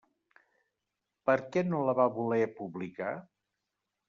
Per què no la va voler publicar?